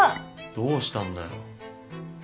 どうしたんだよ。